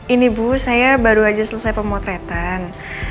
ini bu saya baru saja selesai pemotretan